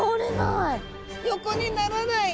横にならない！